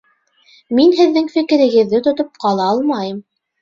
Мин һеҙҙең фекерегеҙҙе тотоп ҡала алмайым